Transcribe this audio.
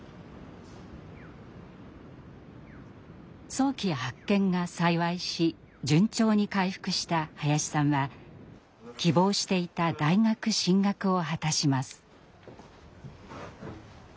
早期発見が幸いし順調に回復した林さんは希望していた大学進学を果たします。